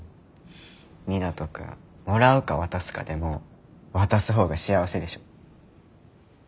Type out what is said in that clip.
湊斗君もらうか渡すかでも渡す方が幸せでしょ。